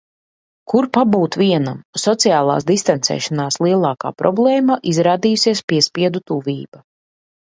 Kur pabūt vienam. Sociālās distancēšanās lielākā problēma izrādījusies piespiedu tuvība.